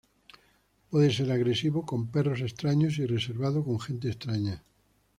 Puede ser agresivo con perros extraños y reservado con gente extraña.